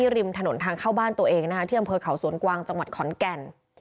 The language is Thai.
ริมถนนทางเข้าบ้านตัวเองที่อำเภอเขาสวนกวางจังหวัดขอนแก่น